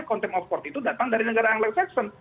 konteks of court itu datang dari negara anglo saxon